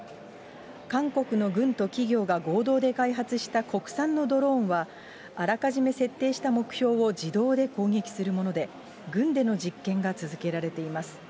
韓国の軍と企業が合同で開発した国産のドローンは、あらかじめ設定した目標を自動で攻撃するもので、軍での実験が続けられています。